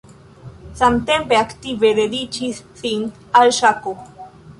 Samtempe aktive dediĉis sin al ŝako.